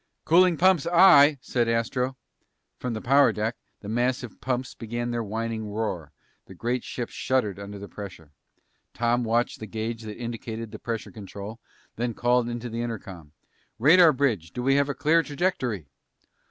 "Cooling pumps, aye!" said Astro. From the power deck, the massive pumps began their whining roar. The great ship shuddered under the pressure. Tom watched the gauge that indicated the pressure control and then called into the intercom. "Radar bridge, do we have a clear trajectory?'